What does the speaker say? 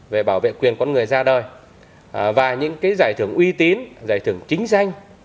về bảo vệ quyền con người ra đời và những giải thưởng uy tín giải thưởng chính danh